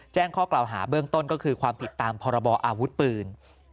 แจ้งข้อกล่าวหาเบื้องต้นก็คือความผิดตามพรบออาวุธปืน